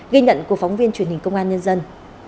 ghi nhận của phóng viên truyền hình công an nhân dân